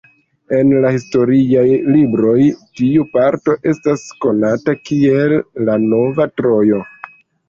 En la historiaj libroj tiu parto estas konata kiel "La nova Trojo".